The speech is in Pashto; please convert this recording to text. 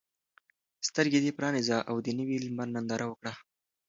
سترګې دې پرانیزه او د نوي لمر ننداره وکړه.